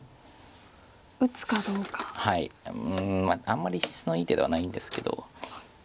あんまり質のいい手ではないんですけど。